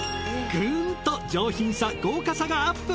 ぐんと上品さ豪華さがアップ。